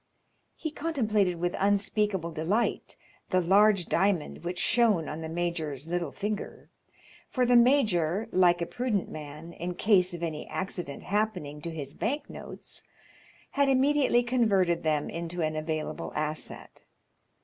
He contemplated with unspeakable delight the large diamond which shone on the major's little finger; for the major, like a prudent man, in case of any accident happening to his bank notes, had immediately converted them into an available asset.